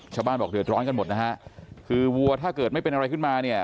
ชาวบ้านบอกเดือดร้อนกันหมดนะฮะคือวัวถ้าเกิดไม่เป็นอะไรขึ้นมาเนี่ย